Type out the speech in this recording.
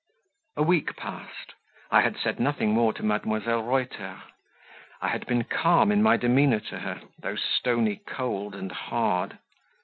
A week passed. I had said nothing more to Mdlle. Reuter. I had been calm in my demeanour to her, though stony cold and hard.